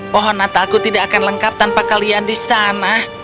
pohon natalku tidak akan lengkap tanpa kalian di sana